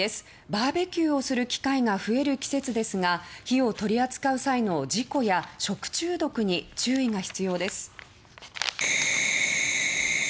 バーベキューをする機会が増える季節ですが火を取り扱う際の事故や食中毒に注意が必要です。